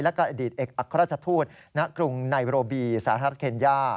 และอดีตเอกอัครราชทูตในกรุงไนโรบีสาธารณะเคนย่า